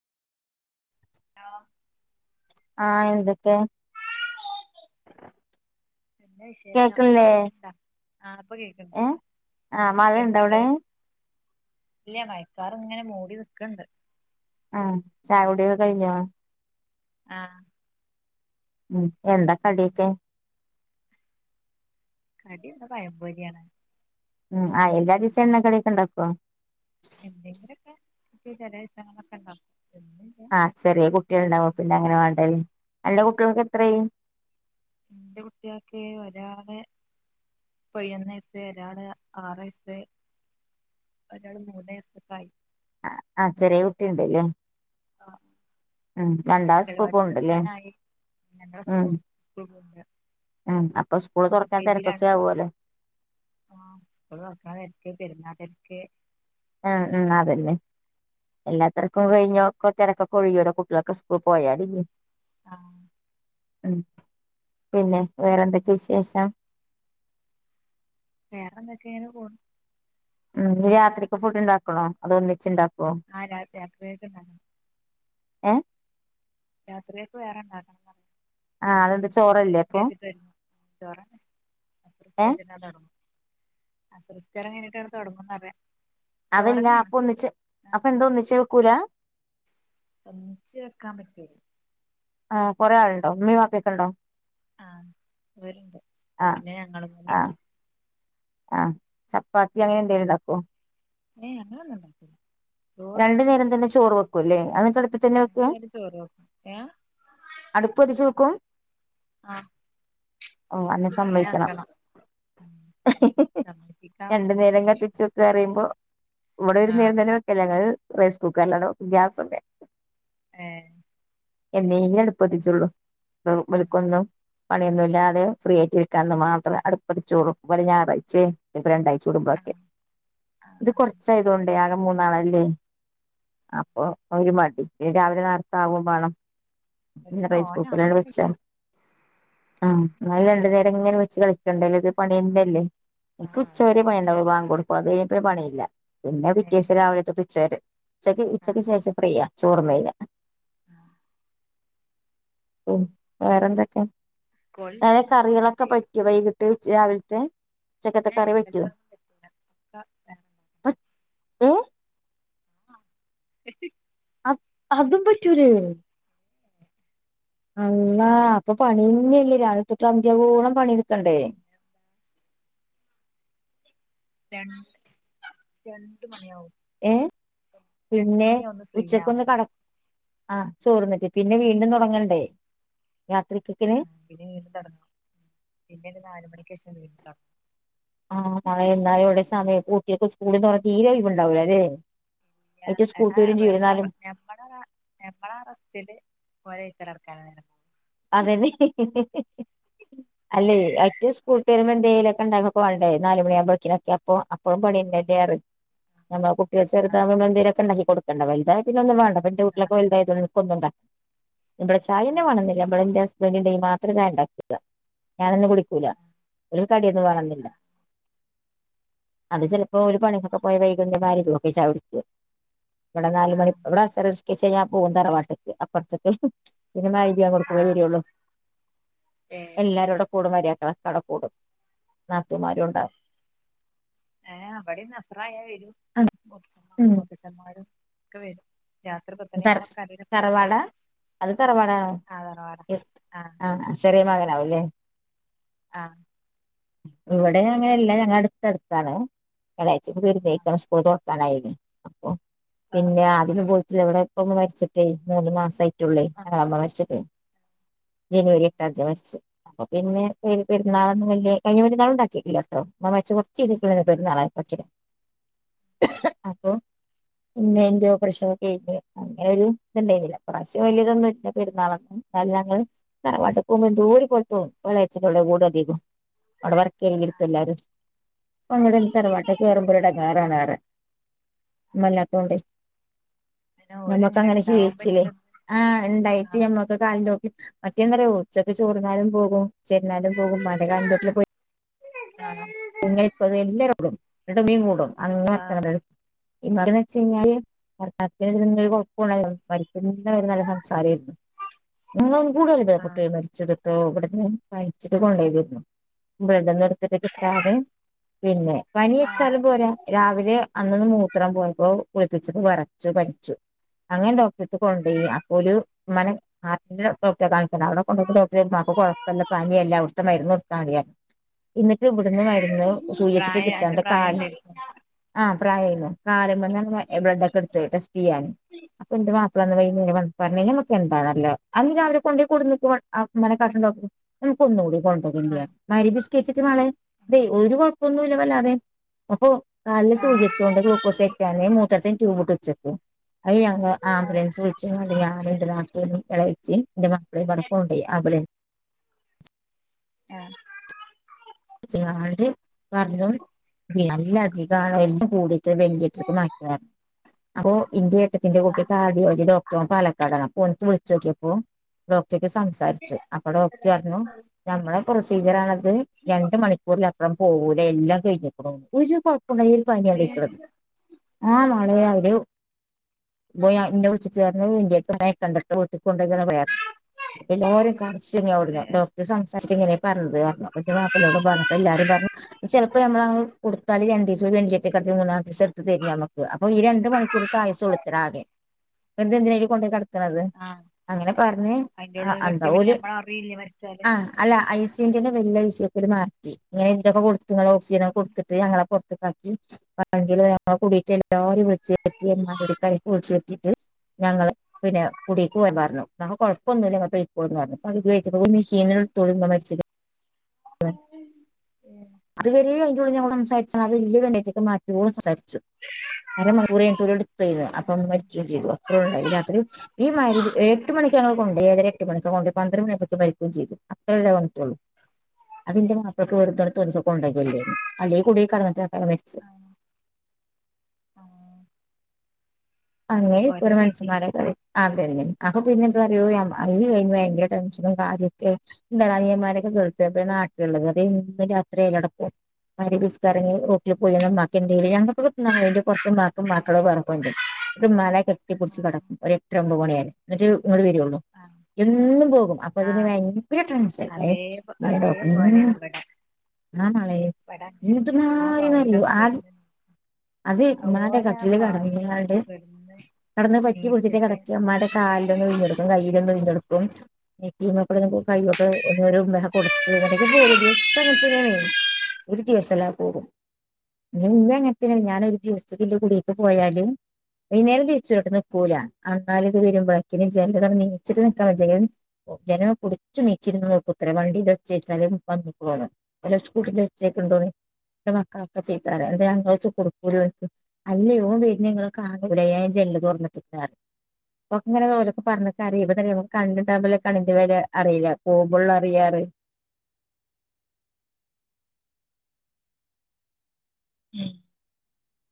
ആ ആഹ് എന്തൊക്കെ.... നല്ല വി ശേഷം അണ്ടാ.... ആഹ് ഇപ്പൊ കേൾക്കണ്ട് കേൾക്കണ്ട്.... ഇല്ല മയക്കാർ ഇങ്ങനെ മൂടി നിൽക്കണ്ട്..... ആ ചായകുടിയൊക്കെ കഴിഞ്ഞോ.... ആഹ് ഉം എന്താ കടിയക്കെ.... കടി എന്ത പയംപൊരി ആണ്.. ഉം ആ എല്ലാ ദിവസം എണ്ണക്കടിക്കെ ഉണ്ടാക്കോ.... എന്തെങ്കിലൊക്കെ ഇ ചില ദസങ്ങളൊക്കെ ഉണ്ടാക്കുംന്ന്..... ആഹ് കുട്ടികള ഉണ്ടാവോ പിന്നെ അങ്ങനെ വേണ്ടല്ലേ അല്ലടെ കുട്ടികൾക്ക് എത്ര ആയി....... എന്റെ കുട്ട്യാൾക്ക് ഒരാളെ.... പതിനൊന്ന് വയസ്സ് ഒരാള് ആറ് വയസ്സ്.... ഒരാള് മൂന്ന്സ് കായി.... ആ ചെറിയ കുട്ടി ഇണ്ട്ലേ.... ആ.... ഉം രണ്ടാ സ്കൂൾക്ക് പോവുന്നു ഉണ്ടല്ലേ ഉം ഉ അപ്പൊ സ്കൂൾ തുറക്കാൻ തിരക്കൊക്കെ ആവോളോ.. ആ സ്കൂൾ തുറക്കാൻ തെരക്ക് പെരുന്നാതെരക്ക് ഉം ഉം അതന്നെ.... എല്ലാ തെരക്കും കഴിഞ്ഞോ കോ തിരക്കൊക്കെഴില്ലോ കുട്ടികളൊക്കെ സ്കൂൾപോയാൽ ല്ലേ ആഹ.... ഉ പിന്നെ വേറെ എന്തൊക്കെ വിശേഷം...... വേറെ എന്തൊക്കെങ്ങനെ പോ..... ഉ രാത്രിക്ക് ഫുഡ് ഉണ്ടാക്കണോ അത ഒന്നിച്ച് ഉണ്ടാക്കുവോ. ആ രാത്രി രാത്രിക്ക് ഉണ്ടാക്കണം ഏ രാത്രിയേക്ക് വേറെണ്ടാക്കണംന്ന് അസർ നിസ്കച്ചിട്ട് ചോറ് അസർ നിസ്കരിച്ചിട്ട് തുടങ്ങും അസർ നിസ്കാരം കഴിഞ്ഞീട്ടാണ് തുടമംന്ന് പറയ അതല്ല അപ്പൊ ഒന്നിച്ച് അപ്പൊ എന്തോ ഒന്നച്ച് വെക്കൂലെ ഒന്ന്ച്ച വെക്കാൻ പറ്റൂല ആ് കൊറെ ആളുണ്ടോ ഇമീ വാ പ്പിയൊക്കെ ഉണ്ടോ. ആഹ അവരുണ്ട് പിന്നെ ഞങ്ങള് താ ന്നെ ഉള്ളു. ആഹ ചപ്പാത്തി അങ്ങനെ എന്തേലും ഉണ്ടാക്കോ ഏ അങ്ങനെയൊന്നും ഉണ്ടാക്കൂല രണ്ടു നേരം തന്നെ ചോറ് വെക്കൂല്ലേ അങ്ങ് തെളപ്പിച്ചന്നെ വെക. അടുപ്പത്തിച്ചു വെക്കും ആഹ ഓ അന്നെ സമ്മയിക്കണം രണ്ടു നേരം കത്തിച്ചു പറിയുമ്പോ ഇവിടെ ഒരു നേരം തന്നെ വെക്കല്ല ഞങ്ങൾ റൈസ് കുക്കറിലണ ഗ്യാസ് മെ ഏ. എന്നെക്കിലും അടുപ്പത്തിച്ചുള്ളു ബേ ലക്കൊന്നും പണിയൊന്നും ഇല്ലാതെ ഫ്രീ ആയിട്ട് ഇരിക്കാന്ന് മാത്രം അടുപ്പ ചോറ് പോലെ ഞായറാഴ്ച. ഇപ്പ രണ്ടാഴ്ച കടുമ്പക്കെ ഇത് കൊറച്ചായത കൊണ്ട് ആകെ മൂന്ന് നണല്ലേ അപ്പൊ ഒരു മടി രാവിലെ നടർത്ത ആകും വേണം ഇന്ന് റൈസ് കുക്കറാണ് വെച്ചാൽ ആഹ് എന്നാല് രണ്ടു നേരം ഇങ്ങനെ വെച്ച് കളിക്കണ്ടല്ലോ. പണിന്നെല്ലേ എനിക്ക് ഉച്ചവരെ പണിണ്ടവൊള്ളൂ ബാങ്ക് കൊടുക്കും അത് കഴിഞ്ഞം പ്പ പണിയില്ല പിന്നെ പിറ്റേസം രാവിലെ തൊട്ട് ഉച്ചര്. ഉച്ചക്ക് ഉച്ചക്ക് ശേഷം ഫ്രീയാ ചോർന്ന കഞ്ഞ ആഹ ഉം. വേറെന്തൊക്കെ. അ കറികളൊക്കെ പ- റ്റോ. വൈകിട്ട് രാവിലത്തെ ഉചക്കത്തെ കറി പറ്റോ. ഏ ആഹ അ അതും പറ്റൂലെ അള്ളാ അപ്പൊ പണിന്നല്ലേ. രാവിലത്തൊട്ട അന്ത്യാവോളം പണിെടുക്കണ്ടേ. രണ്ട് രണ്ട് മണിയാവും. ഏ. പിന്നെ ഉച്ചക്കൊന്ന് കട ആഹ. ചോർന്നിട്ട് പിന്നെ വീണ്ടും തുടങ്ങണ്ടേ യാത്ക്കക്കിന്. ആ പിന്നെ വീണ്ടും തുടങ്ങണം. പിന്നെ നാല മണിക്ക് ശേഷം വീണ്ടും തുടങ്ങണം. ആഹ മളെ എന്നാലും ഇവിടെ സമയം കുട്ടികൾക്ക് സ്കൂളന്ന് പറഞ്ഞ തീരെ ഒഴവുണ്ടാവല അതെ ആയിറ്റ സ്കൂള്ട്ട് വരും ചെയ്രുന്നാലും ഞമ്മള ഞമ്മളെ അറസ്റ്റൽ ഓര ഇത്തരടക്കാനായിരുന്നു അതെന്നെ അല്ലേ അയ്റ്റേ സ്കൂൾട്ട് വരുമ്പോ എന്തേലൊക്കെ ഉണ്ടാക്ക ഒക്കെ വാണ്ടെ നാലുമണിയാകുമ്പോഴ്‌ത്തിനൊക്ക അപ്പൊ അപ്പളും പണിന്നല്ലേ അറിം നമ്മ കുട്ടികൾ ചെറുതാമ എന്തങ്കിലൊക്കെ ഉണ്ടാക്കി കൊടുക്കണ്ട. വൽതായ പിന്ന ഒന്നും വേണ്ട പ ഇൻ്റെ കുട്ട്യാള് ഒക്കെ വൽതായതോണ്ട് [unintelligible] ന്നണ്ട. ഇവടെ ചായന്നെ വേണെന്നില്ല ഇവടെ എൻ്റെ ഹസ്ബൻ്റ്ഡെങ്കി മാത്രേ ചായ ഉണ്ടാക്ക ഞാനൊന്നും കുടിക്കൂല. ഒരു കടിയൊന്നും വേണന്നില്ല അത് ചെൽപ്പോ ഒരു പണിക്കൊക്കെ പോയ വൈ [unintelligible] ചായ കുടിക്ക ഇവടെ നാല് മണി ഇവടെ അസറ്സ്കരിച്ച് കഴിഞ്ഞ പോകും തറവാട്ട്ക്ക്. അപ്പർത്ത്ക്ക് പിന്നെ മഗ്രിബാ പോയിവരുള്ളൂ. എല്ലാരോടും കൂടു മരെക്കളൊക്കഅവ്ട കൂടും. നാത്തൂമാരുണ്ടാവും ഏ ഇവടിം അസറായ വരും [inaudible] മൂത്തഛമ്മാരും ഒക്കെ വരും. രാത്രി പത്തണിയാവോളം [unintelligible] ഉണ്ടാവും അത് തറവാടാ ആഹ് ചെറിയ മകനാവുല്ലേ ആഹ് ഇവടെ അങ്ങനെല്ലാം ഞങ്ങൾ അടുത്തടുത്താണ് എളേച്ചി പ്പൊ കര്തീക്ക്ണ് സ്കൂൾ തുറ കാലായില്ലേ അപ്പൊ പിന്നെ ആ [unintelligible] മരിച്ചിട്ടേ മൂന്ന് മാസായ് [unintelligible] അമ്മ മര്ച്ച്ട്ട് ജനുവരി എട്ടാം തീയതി മരിച അപ്പൊ പിന്നെ. പെര് പെര്ന്നാളൊന്നും വല്യ കഴിഞ്ഞ പെരുന്നാള്ണ്ടാക്കിട്ടില്ല ട്ടോ [unintelligible] പെര്ന്നാ [unintelligible] പക്ക അപ്പൊ ഇന്ന എൻ്റെ ഓപ്രഷം [unintelligible] അങ്ങനെ ഒരു ഇതുണ്ടായ്നില്ല ഇപ്രാവശ്യം വലിയതൊന്നും ഇല്ല പെരുന്നാളൊന്നും എന്നാലും ഞങ്ങള്. തറവാട്ട്ക്കോകുമ്പോ എന്തോരു കുഴപ്പം എളച്ചടെ കൂടോതികും അവ്ടെ വർക്കേരിക്കും എല്ലാരും പങ്ങട തറവാട്ട്ക്ക് കേറുമ്പോ [unintelligible] ടങ്ങേറാണ് അറിം ഉമ്മല്ലാത്തൊണ്ട് നമ്മക്ക് അങ്ങനെ ശീലിച്ചെ ആഹ് ഉണ്ടായിട്ട് ഞമ്മ [unintelligible] കാലിൻ്റോപ്പിൽ മറ്റെന്തറയോ ഉച്ചക്ക് ചോറ്ന്നാലും പോകും. ഉചെര്നാലും പോകും. ഉമ്മാൻ്റെ കാലിൻ്റോട്ടിൽ പോയി ആഹ് എങ്ങന [unintelligible] എല്ലരോടും എന്നിട്ട് ഇമ്മിം കൂടും അങ്ങനെ വർത്താനം [unintelligible] വെച്ച് കഴിഞ്ഞാല് വർത്താൻത്തിന് [unintelligible] കുഴപ്പൊണ്ടായി [unintelligible] മരിക്കുന്നവരെ നല്ല സംസാരായ്നു [unintelligible] വച്ചത്ട്ടോ ഇവിടന്ന് മരിച്ചിട്ട് കൊണ്ടോയ്തര്ന്നു. ബെഡ്ന്ന് എടുത്തിട്ട് കിട്ടാതെ പിന്നെ പനി വെച്ചാലും പോരാ രാവിലെ അന്നന്ന് മൂത്രം പോയപ്പോ കുളിപ്പിച്ച്ട്ട് വറച്ചു പനിച്ചു. അങ്ങന ഡോ ട്ത്ത്കൊണ്ടോയ് അപ്പോ ഓല് ഉമ്മാനെ ആർട്ടിന്റെ ഡോക്ടറെ കാണിക്കണം അവ്ടെ കൊണ്ടയ്പോ ഡോക്ടർ ഉമാക്ക് കുഴപ്പല്ല പനിയല്ലെ അവിട്ത്തെ മരുന്ന് കൊടുത്താതിന്ന് ത് ഇവിട്ന്ന് മരുന്ന് ചോയിച്ചിട്ട് കിട്ടാണ്ട് കാല് ആഹ് പ്രായ ആയ്നു കാലുമന്ന് ബ്ലഡ് ഒക്കെ എടുത്ത് ടെസ്റ്റ് ചെയ്യാൻ അപ്പൊ എന്റെ മാപ്പള [unintelligible] പറഞ്ഞേന് നമക്ക് എന്താന്നറില്ല അന്ന് രാവിലെ കൊണ്ടോയി കൊട് ന്ന്‌ക്ണു ആ ഉമ്മാനെ കാണിക്ക്ണ ഡോക്ടർ [unintelligible] ഒന്നു കൂടി കൊണ്ടോകല്ലേ മഗ്‌രിബ്‌ നിസ്കരിച്ചിട്ട് മാളെ അതെ ഒരു കൊഴപ്പൊന്നു ഇല്ല വല്ലാതെ അപ്പൊ കാലിന് സൂചി വച്ചോണ്ട് ഗ്ലൂക്കോസ് കയറ്റാന് മൂത്രത്തിന് ട്യൂബ് ഇട്ട് ഉച്ചക്ക് അയ് ഞങ്ങൾ ആംബുലൻസ് വിളിച്കാണ്ട് ഞാനു എന്റെ നാ ത്തുനും എളച്ചിം എന്റെ മാപ്പളിം പാടെ കൊണ്ടോയി ആബുലൻ ആഹ് [unintelligible] ഇതാണ്എല്ല് കൂടിട്ട് വോന്റീടർക്ക് മാറ്റിരുന്നു അപ്പൊ ഇന്റ എ ട്ടത്തിന്റെകുട്ടികാർഡിയോളജി ഡോക്ട ഓൻപാലക്കാടണ് അപ്പോ ഓൻക്ക്‌വിളിച്ചോക്കിയപ്പോ ഡോക്ടർക്ക് സംസ സംസാരിച്ചു അപ്പൊ ഡോക്ടർ പറഞ്ഞു നമ്മുടെ പ്രൊസീജിയർ ആണത് രണ്ട് മണിക്കൂറിലപ്പുറം പോകൂല എല്ലാം കഴിഞ് കുണു ഒരു കുഴപ്പുണ്ടാ പനി അടി ഇരിക്ക്ണത്ആ മളെ പോയിന്റെ വിളിച്ച ഇത് കാരണം ഇന്റര്ത്‌ ഇന്റെര്തു ഉണ്ടായിട്ടുണ്ട് കൺടക്ട് വിട്ട്ക്ക് കൊണ്ടോയിക്ക്ന്ന് പയാം സം എല്ലോരും ക ശരിയാവു ലാഡോക്ടർ സംസാരിച് ഇങ്ങനെ പറഞ്ഞത് പറഞ്ഞു എന്റെമാപ്പളനോട് പറഞ്ഞപ്പോ എല്ലാരും പറഞ്ഞു ചിലപ്പോ നമ്മള്കൊടുതാല്‌രണ്ട്ദിവസം വെറ്റുലേറ്ററിൽ കിടത്തി പിന്നെമൂന്നമത്തെ ദിവസ എടുത്ത് തരി നമക്ക് അപ്പൊ ഈ രണ്ട് മണിക്കൂറി തായ സം ഉള്ളുത്തലാ അക്കെവെറു ത്തെഎന്തെന്തിന കെട കിടത്ണത്അങ്ങനെ പറഞ്ഞ് എന്താ ഓല് ആഹ് അല്ല ഐസ്‌യുവിന്റെവലിയ ഐസുക്ക്മാറ്റി ഇങ്ങനെ ഇന്തൊക്കെ കൊടു ഇങ്ങളെഓക്സിജൻ ഒക്കെ കൊടുത്തിട്ട് ഞങ്ങളെ പുറത്ത്‌ക്ക് ആക്കി വണെങ്കിൽ ഞങ്ങളെകൂടിട്ട് എല്ലാരും ചത്തിയന്മാരുടെ കുളിച്ചു ഒരുങ്ങിയിട്ട് ഞങ്ങള് പിന്നെ കുടിയേക്ക് പോവാപറഞ്ഞു അപ്പോകൊഴപ്പൊന്നുമില്ല ഇങ്ങൾ പോയിക്കോളി എന്ന് പറഞ്ഞു ഇ മെഷീൻ എടുതൊളി ഇമ്മമരിച്ചിക്ക്ണു അതുവരെ അയ്റ്റ് ഉള്ള് ന്ന് സംസാരിച്ച് വലിയ വെന്റിക്ക് മാറ്റോളംസംസാരിച്ചു അര മണിക്കൂർ ഇടുത്തിയിരുന്നു അപ്പം മരിച്ചു ചെയ്തുഅത്രേ ഉള്ളു പിന്നെ അത്രേ ഈ മഗ്‌രിബ്എട്ട് മണിക്ക്‌ഞങ്ങൾ കൊണ്ട്പോയിഎഴര എട്ട് മണിക്കൊ കൊണ്ട് പന്ത്രണ്ട്മണിയാപ്പോ മരിക്കുകയും ചെയ്തു. അത്രയൊള്ളുവന്നിട്ടുള്ളൂ അതിന്റെ മാപ്പിള്ളക്ക് വെറുതെ ഓടത് ഒക്കെ കൊണ്ടര്അല്ലേ കൂടി കടന്ന് മരിച്ചു ആണോ അങ്ങനെ ആയിരിക്കും ഒരെ മൻ സംമാരെ കാര്യം അതെന്നെ അപ്പൊ പിന്നെ എന്താ പറയോ അന് [unintelligible] കഴിയുമ്പോ ഭയങ്കര ടെൻഷനും കാര്യ ഒക്കെ അയി ഇതാണ് അനിയമാരൊക്കെ ഗൾഫ് ഇബൽനാട്ടിലുണ്ട് എന്നു രാത്രിയാലട്പ്പോം മഗ്‌രിബ്‌ നി കഴിഞ് റോട്ടിൽ പോയി ഉമ്മാക്ക് എന്തൊലുംഞങ്ങക്ക് ഒക്കെ തിന്നാ പോയെന്റപുറത്ത് ഇമ്മക്കും മക്കളുംവേറെ കൊണ്ട്‌രും എന്നിട്ട് ഉമ്മനെകെട്ടി പുടിച്ച് കെടക്കും ഒരു ഒമ്പത്‌മണി ആയാൽ എന്നിട്ട് ഇങ്ങട്ട് വരു ഒള്ളൂ എന്നും പോകും അപ്പൊ ഇതിന് ഭയങ്കരടെൻഷൻഅയെഡോക്ടർ ആഹ് മളേ ഇപടെ അങ്ങനെണ്ആ പായിലൊന്ന് കടന്ന്‌ ഓന് ആ പായിൽ ഒന്ന് കിടന്ന് കിടന്ന് പറ്റി പിടിച്ചിട്ട് കിടക്ക ഇമാടെ കാലിൽ ഒന്ന് ഉഴിഞ്ഞെടുക്കും കയ്യിലൊന്ന് ഉഴിഞ്ഞെടുക്കും ഇതി മക്കു ടെകയ്യോക്ക് ഒരു ഉമ കൊടുത്ത് എന്ന ഒരു ദിവസം അങ്ങനെ തന്നെയാണ് ഒരു ദിവസം ഇല്ലാതൊപോകും. എന്നും അങ്ങനെത്തനെ ഞാൻ ഒരു ദിവസത്ക്ക് എന്റെ കുടിക്ക് പോയാലും വൈകുന്നേരം തിരിച്ചു വരും നിക്കൂല എന്നാലുഇത് വരുമ്പോഴേക്കിന് ഇജ്നീച്ചിട്ട് നിക്കാൻ വജങ്കി ലും ഓ ജനലിമോ പുടിച്ചു നീച്ചിരുനോക്ക് ത്രേ വണ്ടിന്റ ഒച്ച കൊട്ടലും വന്ന്ക്ണോ ഒലേ സ്കൂട്ടിന്റെ ഓച്ച കോക്കുണ്ടോന്ന് എന്റെ മക്കളൊക്കെ ചിത്ത പറിഎന്താ ഞങ്ങൾക്ക് കൊടുക്കൂലക്കൂലെഒന്ക്ക് അല്ലെ ഒന് വര്ണത് ഇകാക്കെപോടിയി ജനൽ തുറന്നിട്ക്കാ ഇപ്പോഇക്ക്ഇങ്ങനെ ഓലോക്കെ പറഞ്ഞിക്ക അറിയുമ്പതന്നെ കണ്ണ് ഉണ്ടാവുമ്പളകണിന്റെ വേല അറിയില്ല പോകുമ്പൾ ഉള്ളും അറിയാറ് ഉം